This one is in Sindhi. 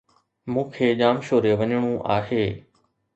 مون کي ڄامشوري وڃڻو آھي.